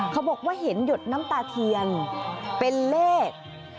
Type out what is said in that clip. เขาบอกว่าเห็นหยดน้ำตาเทียนเป็นเลข